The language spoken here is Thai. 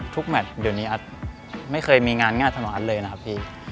ทุกแมทเดี๋ยวนี้อาจไม่เคยมีงานง่ายธรรมดาเลยนะครับพี่